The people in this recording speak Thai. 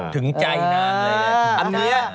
ถึงใจนานเลย